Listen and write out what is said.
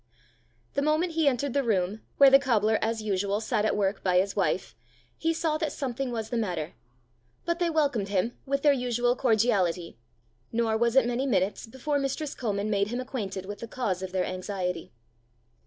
The moment he entered the room, where the cobbler as usual sat at work by his wife, he saw that something was the matter. But they welcomed him with their usual cordiality, nor was it many minutes before mistress Comin made him acquainted with the cause of their anxiety.